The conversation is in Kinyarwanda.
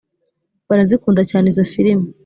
barazikunda cyane izo firime,